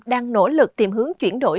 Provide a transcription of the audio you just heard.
đang nỗ lực tìm hướng chuyển đổi